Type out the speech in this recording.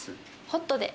ホットで。